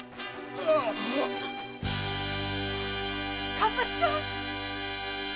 勘八さん！